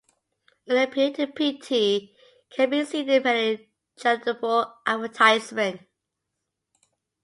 An appeal to pity can be seen in many charitable advertisements.